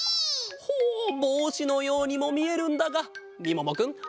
ほうぼうしのようにもみえるんだがみももくんハズレット！